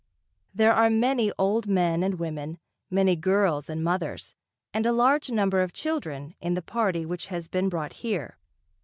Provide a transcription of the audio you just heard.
There are many old men and women, many girls and mothers, and a large number of children in the party which has been brought here.